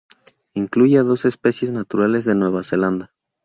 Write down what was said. Incluye a dos especies naturales de Nueva Zelanda.